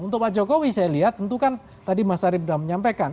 untuk pak jokowi saya lihat tentu kan tadi mas arief sudah menyampaikan